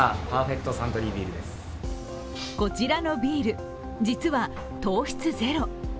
こちらのビール、実は糖質ゼロ。